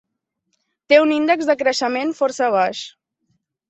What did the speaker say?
Té un índex de creixement força baix.